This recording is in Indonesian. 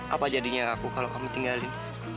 apa jadinya raku kalau kamu tinggalin